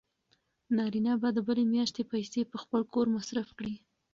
نازیه به د بلې میاشتې پیسې په خپل کور مصرف کړي.